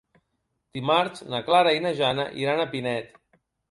Dimarts na Clara i na Jana iran a Pinet.